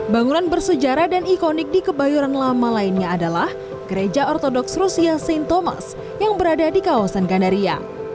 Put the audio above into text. bangunan bersejarah dan ikonik di kebayoran lama lainnya adalah gereja ortodoks rusia sine thomas yang berada di kawasan gandaria